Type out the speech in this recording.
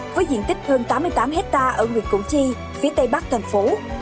với diện tích hơn tám mươi tám hecta ở nguyệt củng chi phía tây bắc thành phố